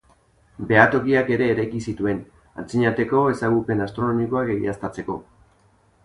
Behatokiak ere eraiki zituen, antzinateko ezagupen astronomikoak egiaztatzeko.